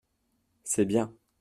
C’est bien.